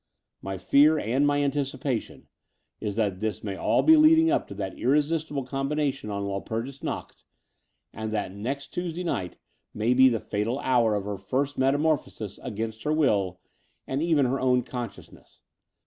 My fear and my anticipation is that this may all be leading up to that irresistible combina tion on Walpurgis Nacht, and that next Tuesday night may be the fatal hour of her first metamor phosis against her will and even her own conscious ness.